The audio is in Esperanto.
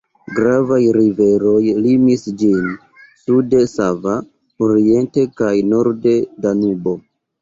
Gravaj riveroj limis ĝin: sude Sava, oriente kaj norde Danubo.